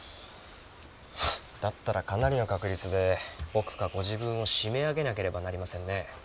だったらかなりの確率で僕かご自分を締め上げなければなりませんね。